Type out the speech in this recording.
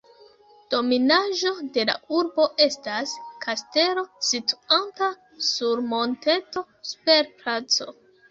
Dominaĵo de la urbo estas kastelo, situanta sur monteto super placo.